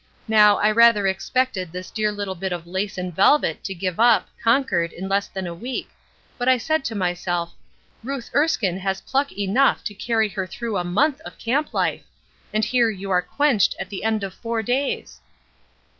Now, I rather expected this dear little bit of lace and velvet to give up, conquered, in less than a week, but I said to myself, 'Ruth Erskine has pluck enough to carry her through a month of camp life,' and here you are quenched at the end of four days."